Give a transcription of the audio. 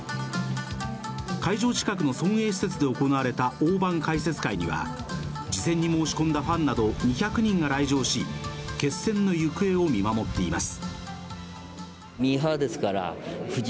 会場近くの村営施設で行われた大盤解説会には、事前に申し込んだファンなど２００人が来場し決戦の行方を見守っています。